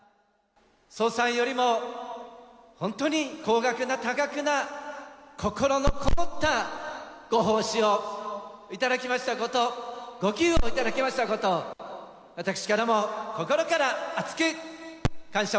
総裁よりもう本当に高額な、多額な、心の込もったご奉仕を頂きましたこと、ご寄付を頂きましたことを、私からも心から厚く感謝